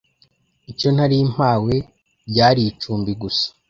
icyo nari mpahwe ryari icumbi gusa